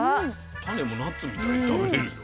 種もナッツみたいに食べれるよ。